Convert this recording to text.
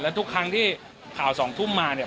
แล้วทุกครั้งที่สัปดาห์๒ทุ่มมาเนี่ย